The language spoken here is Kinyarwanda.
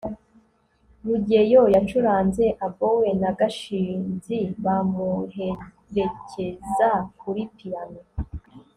rugeyo yacuranze oboe na gashinzi bamuherekeza kuri piyano